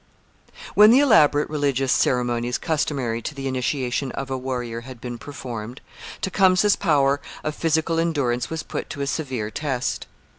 When the elaborate religious ceremonies customary to the initiation of a warrior had been performed, Tecumseh's power of physical endurance was put to a severe test.